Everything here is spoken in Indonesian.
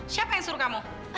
siapa yang suruh kamu